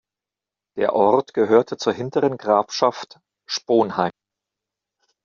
Der Ort gehörte zur Hinteren Grafschaft Sponheim.